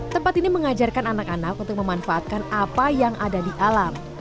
tempat ini mengajarkan anak anak untuk memanfaatkan apa yang ada di alam